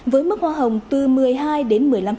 với mức hoa hồng từ một mươi hai đến một mươi năm